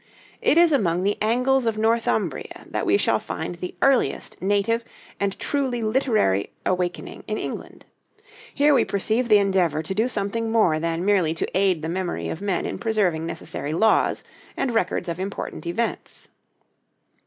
It is among the Angles of Northumbria that we shall find the earliest native and truly literary awakening in England. Here we perceive the endeavor to do something more than merely to aid the memory of men in preserving necessary laws and records of important events.